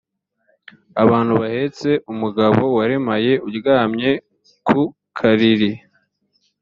abantu bahetse umugabo waremaye uryamye ku kariri